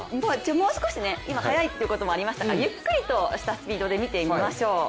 もう少しね、今、速いということもありましたがゆっくりとしたスピードで見てみましょう。